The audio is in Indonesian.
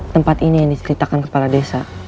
tempat ini yang diceritakan kepala desa